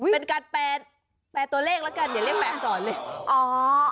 เป็นการแปลตัวเลขแล้วกันอย่าเรียกแปดสอนเลย